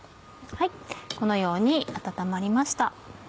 このように温まりました。